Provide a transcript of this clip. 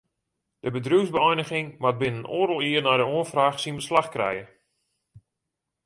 De bedriuwsbeëiniging moat binnen oardel jier nei de oanfraach syn beslach krije.